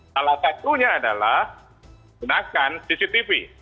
salah satunya adalah gunakan cctv